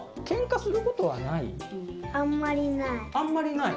あんまりない。